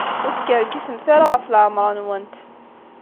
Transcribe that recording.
Ur skerkisemt ara ɣef leɛmeṛ-nwent.